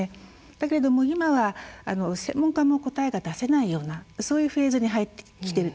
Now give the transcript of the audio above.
だけれども今は専門家も答えが出せないようなそういうフェーズに入ってきていると思うんですね。